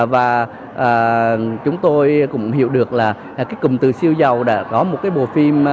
và chúng tôi cũng hiểu được là cái cụm từ siêu giàu đã có một cái bộ phim